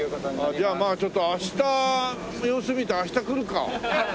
じゃあまあちょっと明日の様子見て明日来るか。